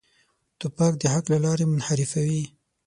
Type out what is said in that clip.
توپک د حق له لارې منحرفوي.